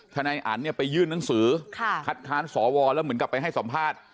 นายอันเนี่ยไปยื่นหนังสือคัดค้านสวแล้วเหมือนกับไปให้สัมภาษณ์